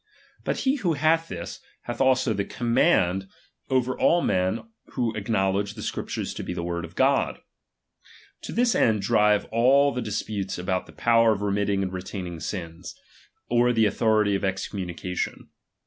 But he who hath this, hath also the command over all men who acknowledge the Scriptures to be the word of God. To this end drive all the disputes about the power of remitting and retaining sins ; or the authority of excommu nication.